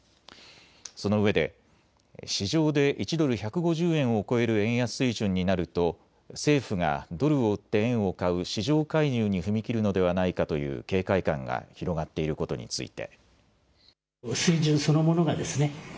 そのうえで、市場で１ドル１５０円を超える円安水準になると政府がドルを売って円を買う市場介入に踏み切るのではないかという警戒感が広がっていることについて。